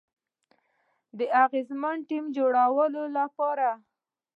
د اغیزمن ټیم جوړولو لپاره